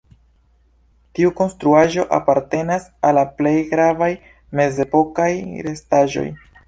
Tiu konstruaĵo apartenas al la plej gravaj mezepokaj restaĵoj.